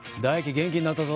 元気になったぞ。